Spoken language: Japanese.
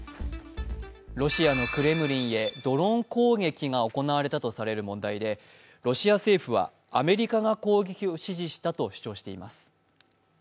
ロシアのクレムリンへドローン攻撃が行われとされる問題でロシア政府はアメリカが攻撃を指示したと主張しています。